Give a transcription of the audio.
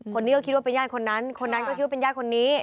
คนนี้ก็คิดว่าเป็นญาติคนนั้นคนนั้นก็คิดว่าเป็นญาติคนนี้